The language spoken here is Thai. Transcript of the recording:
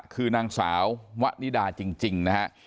คือนางสาววนิดาจริง